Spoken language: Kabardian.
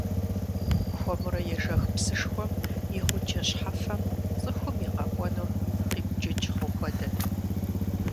Хуэмурэ ежэх псышхуэм и гъуджэ щхьэфэм цӏыхум и къэкӏуэнур къибджыкӏ хъу хуэдэт.